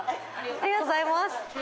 ありがとうございます。